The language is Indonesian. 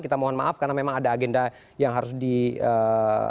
kita mohon maaf karena memang ada agenda yang harus dilakukan